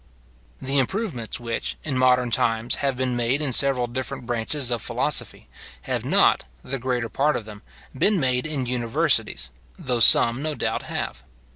The improvements which, in modern times have been made in several different branches of philosophy, have not, the greater part of them, been made in universities, though some, no doubt, have.